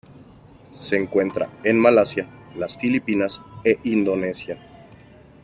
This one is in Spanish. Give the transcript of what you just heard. Se encuentra en Malasia, las Filipinas y Indonesia.